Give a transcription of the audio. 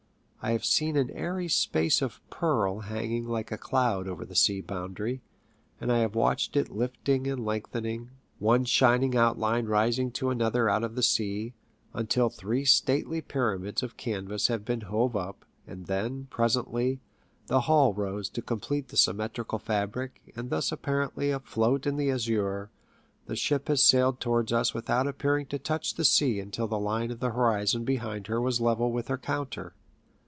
I have seen an airy space of pearl hanging like a cloud over the sea boundary, and I have watched it lifting and lengthening, one shining outline rising to another out of the sea, until three stately pyramids of canvas have been hove up; and then, presently, the hull rose to complete the symmetrical fabric, and thus apparently afloat in the azure, the ship has sailed towards us without appearing to touch the sea until the line of the horizon behind her was level with her counter.